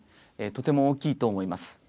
とても大きいと思います。